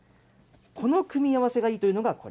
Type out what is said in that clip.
この組み合わせがいいというのがこれ。